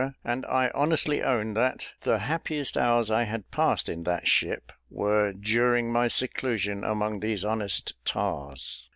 and I honestly own that the happiest hours I had passed in that ship were during my seclusion among these honest tars.